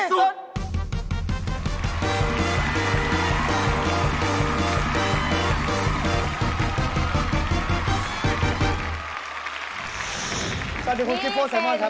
สวัสดีครูจิปโฟร์แซมอนครับ